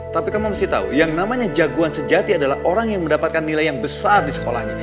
tapi kamu mesti tahu yang namanya jagoan sejati adalah orang yang mendapatkan nilai yang besar di sekolahnya